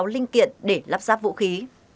ba trăm năm mươi sáu linh kiện để lắp ráp vũ khí